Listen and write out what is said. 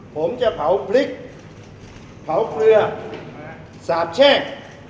ผมจะเผาพริกเผาเกลือสาบแช่ง